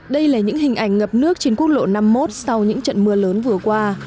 đây là những hình ảnh ngập nước trên quốc lộ năm mươi một sau những trận mưa lớn vừa qua